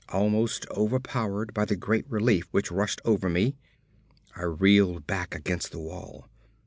Almost overpowered by the great relief which rushed over me, I reeled back against the wall.